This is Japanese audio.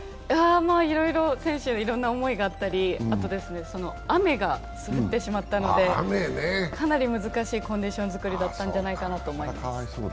いろいろ選手はいろんな思いがあったり、あと、雨が降ってしまったのでかなり難しいコンディション作りだったんじゃないかなと思います。